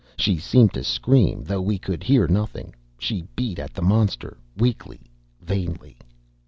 She seemed to scream, though we could hear nothing. She beat at the monster, weakly, vainly.